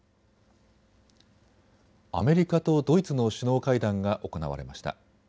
アメリカとドイツの首脳会談が行われました。